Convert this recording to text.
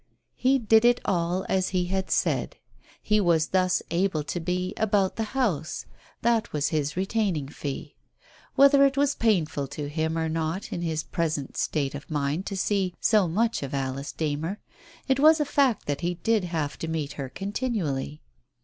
He did it all as he had said. He was thus able to be "about the house." That was his retaining fee. Digitized by Google 8 TALES OF THE UNEASY Whether it was painful to him or not in his present state of mind to see so much of Alice Darner, it was a fact that he did have to meet her continually.